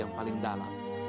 yang paling dalam